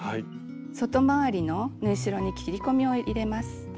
外回りの縫い代に切り込みを入れます。